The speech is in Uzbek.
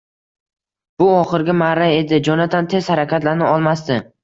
Bu oxirgi marra edi. Jonatan tez harakatlana olmasdi